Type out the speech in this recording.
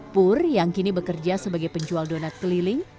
pur yang kini bekerja sebagai penjual donat keliling